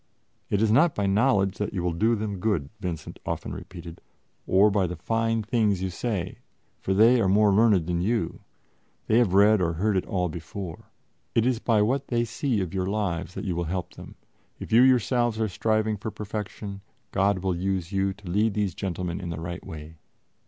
"It is not by knowledge that you will do them good," Vincent often repeated, "or by the fine things you say, for they are more learned than you they have read or heard it all before. It is by what they see of your lives that you will help them; if you yourselves are striving for perfection, God will use you to lead these gentlemen in the right way."